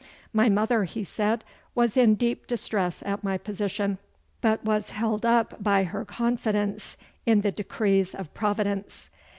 My mother, he said, was in deep distress at my position, but was held up by her confidence in the decrees of Providence.